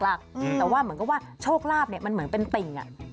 แต่ว่าเหมือนกับว่าโชคลาภเนี่ยมันเหมือนเป็นติ่ง